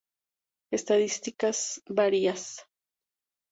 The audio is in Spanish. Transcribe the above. Estadísticas varias